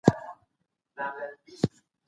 نن ورځ تخصص ډېر ارزښت لري.